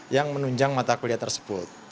yang menunjang mata kuliah tersebut